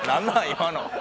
今の。